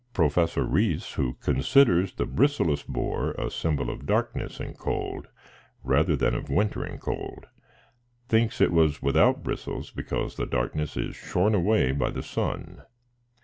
Pro fessor Rhys, who considers the bristleless boar a symbol of darkness and cold, rather than of winter and cold, thinks it was without bristles because the darkness is shorn away by the sun.